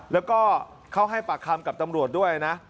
แล้วก็เขาให้ปากคำกับตำรวจด้วยนะ